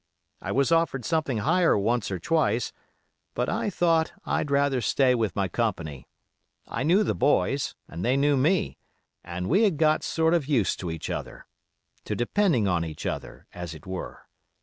I was offered something higher once or twice, but I thought I'd rather stay with my company; I knew the boys, and they knew me, and we had got sort of used to each other—to depending on each other, as it were.